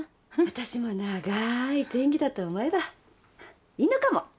私も長い前戯だと思えばいいのかも？